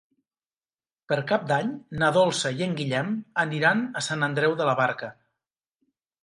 Per Cap d'Any na Dolça i en Guillem aniran a Sant Andreu de la Barca.